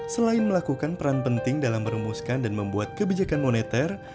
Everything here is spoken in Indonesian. selain melakukan peran penting dalam merumuskan dan membuat kebijakan moneter